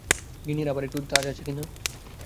গিন্নীর আবার একটু ঝাঁজ আছে কি না।